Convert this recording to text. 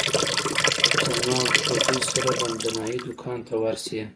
چې زما د زوى سره به د نايي دوکان ته ورشې.